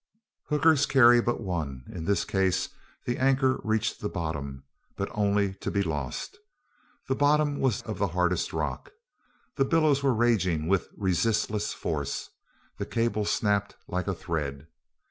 Hookers carry but one. In this case the anchor reached the bottom, but only to be lost. The bottom was of the hardest rock. The billows were raging with resistless force. The cable snapped like a thread.